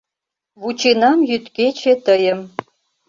Вученам йӱд-кече тыйым